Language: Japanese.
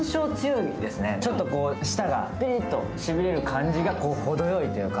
ちょっと舌がピリッとしびれる感じがほどよいというか。